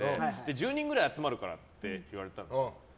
１０人くらい集まるからって言われたんですよ。